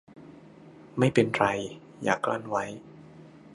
ไม่เป็นไรอย่ากลั้นไว้ !